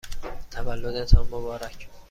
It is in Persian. تولدتان مبارک!